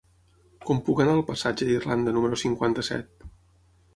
Com puc anar al passatge d'Irlanda número cinquanta-set?